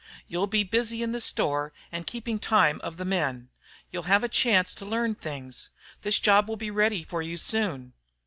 You'll be busy in the store and keeping time of the men. You'll have a chance to learn things. This job will be ready for you soon.